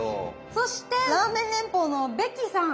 そしてラーメン連邦のベッキーさん。